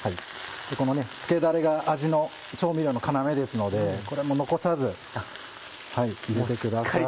この付けダレが味の調味料の要ですのでこれも残さず入れてください。